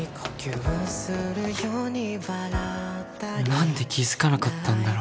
何で気づかなかったんだろ